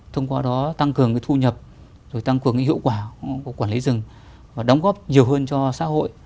thông qua đó tăng cường cái thu nhập rồi tăng cường cái hiệu quả của quản lý rừng và đóng góp nhiều hơn cho xã hội